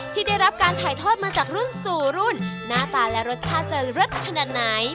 ที่ได้รับการถ่ายทอดมาจากรุ่นสู่รุ่นหน้าตาและรสชาติจะเลิศขนาดไหน